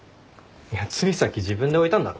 ついさっき自分で置いたんだろ。